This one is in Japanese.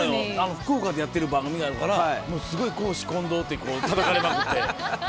福岡でやってる番組があるからもうすごい公私混同ってたたかれまくって。